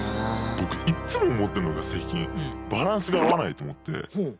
僕いっつも思ってるのが最近バランスが合わないと思って。